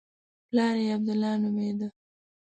پلار یې عبدالله نومېده.